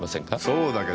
そうだけど？